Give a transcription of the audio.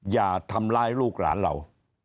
อย่าทำร้ายลูกหลานเรา